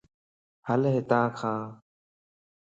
ھلَ ھتان ڪان